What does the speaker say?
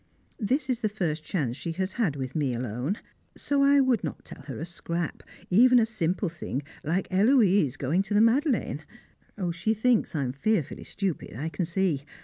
This is the first chance she has had with me alone. So I would not tell her a scrap, even a simple thing like Héloise going to the Madeleine. She thinks I am fearfully stupid, I can see.